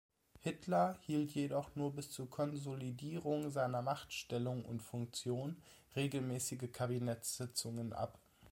Hitler hielt jedoch nur bis zur Konsolidierung seiner Machtstellung und -funktionen regelmäßige Kabinettssitzungen ab.